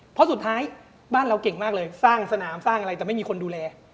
เพราะสุดท้ายบ้านเราเก่งมากเลยสร้างสนามสร้างอะไรแต่ไม่มีคนดูแล